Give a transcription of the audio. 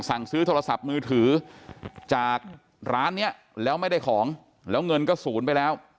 สั่งซื้อโทรศัพท์มือถือจากร้านเนี้ยแล้วไม่ได้ของแล้วเงินก็ศูนย์ไปแล้ว